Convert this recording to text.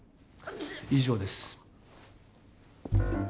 以上です。